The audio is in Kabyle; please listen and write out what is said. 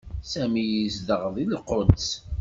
Sami yezdeɣ deg Lquds.